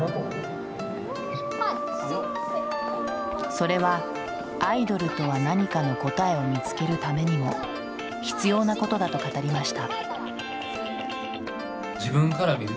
それは「アイドルとは何か」の答えを見つけるためにも必要なことだと語りました。